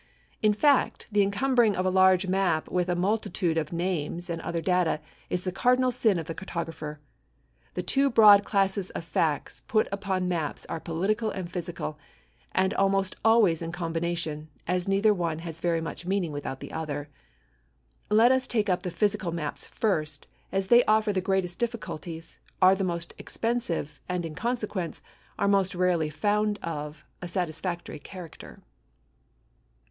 In fact, the encumbering of a large map with a multitude of names and other data is the cardinal sin of the cartographer. The two broad classes of facts put upon maps are political and physical, and almost always in combination, as neither one has very much meaning without the other. Let us take up the physical maps first, as they offer the greatest difficulties, are the most expensive, and in consequence, are most rarely found of a satisfactory character.